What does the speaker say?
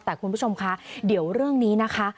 แต่คุณผู้ชมคะเดี๋ยวเรื่องนี้นะคะ